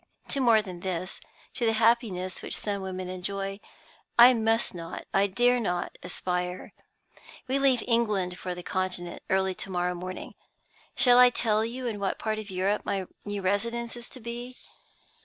To more than this, to the happiness which some women enjoy, I must not, I dare not, aspire. "We leave England for the Continent early tomorrow morning. Shall I tell you in what part of Europe my new residence is to be?